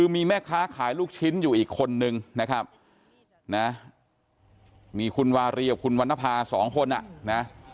มีแม่ค้าขายลูกชิ้นอยู่อีกคนนึงนะครับนะมีคุณวารีกับคุณวรรณภาสองคนอ่ะนะ